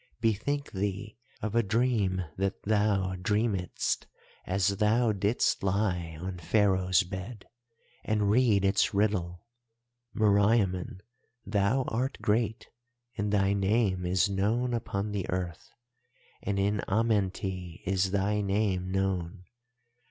Bethink thee of a dream that thou dreamedst as thou didst lie on Pharaoh's bed, and read its riddle. Meriamun, thou art great and thy name is known upon the earth, and in Amenti is thy name known.